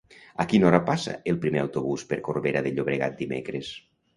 A quina hora passa el primer autobús per Corbera de Llobregat dimecres?